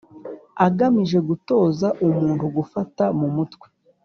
agamije gutoza umuntu gufata mu mutwe